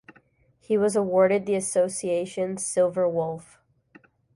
He was awarded the association's Silver Wolf.